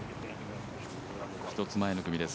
１つ前の組です。